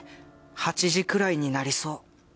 ８時くらいになりそう」。